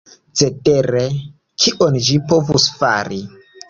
Cetere, kion ĝi povus fari?